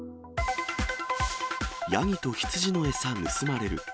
ヤギとヒツジの餌盗まれる。